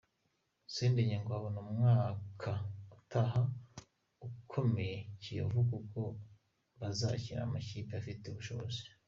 Sendege ngo abona umwaka utaha ukomereye Kiyovu kuko bazakina n’amakipi afite ubushobozi.